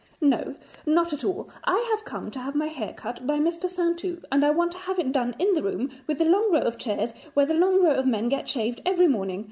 'No, not at all; I have come to have my hair cut by Mr. Saintou, and I want to have it done in the room with the long row of chairs where the long row of men get shaved every morning.